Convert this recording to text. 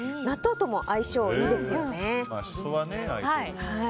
納豆とも相性いいですよね。